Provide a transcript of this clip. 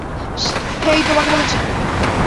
হেই, তোমাকে বলছি!